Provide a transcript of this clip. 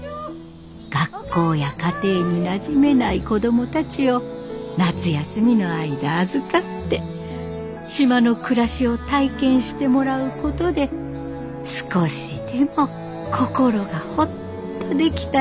学校や家庭になじめない子供たちを夏休みの間預かって島の暮らしを体験してもらうことで少しでも心がホッとできたらいいねという取り組みでした。